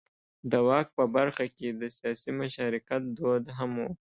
د واک په برخه کې د سیاسي مشارکت دود هم و.